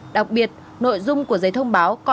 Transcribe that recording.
đặc biệt nội dung của giấy thông báo là